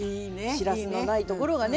しらすのないところがね